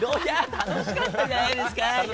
楽しかったじゃないですか！